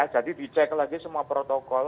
dicek lagi semua protokol